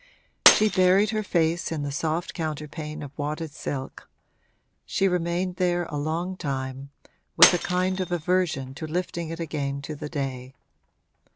She buried her face in the soft counterpane of wadded silk; she remained there a long time, with a kind of aversion to lifting it again to the day.